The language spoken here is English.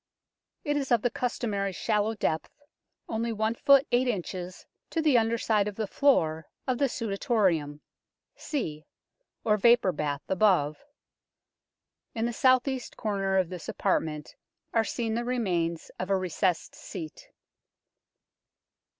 It is of the customary shallow depth, only i ft. 8 in. to the under side of the floor of the Sudatorium (C), or vapour bath, above. In the south east corner of this apart ment are seen the remains of a recessed seat.